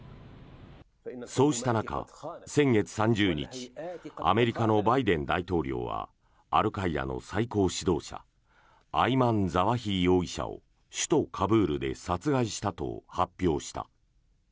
そうした中、先月３０日アメリカのバイデン大統領はアルカイダの最高指導者アイマン・ザワヒリ容疑者を首都カブールで殺害したと発表した。